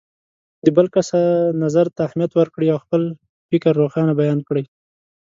د بل کس نظر ته اهمیت ورکړئ او خپل فکر روښانه بیان کړئ.